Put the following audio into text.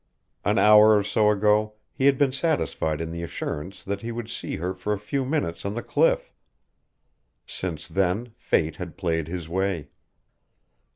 An hour or so ago he had been satisfied in the assurance that he would see her for a few minutes on the cliff. Since then fate had played his way.